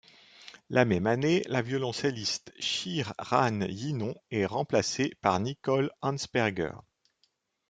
La même année, la violoncelliste Shir-Ran Yinon est remplacée par Nicole Ansperger.